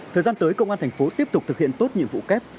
thời gian tới công an thành phố tiếp tục thực hiện tốt nhiệm vụ kép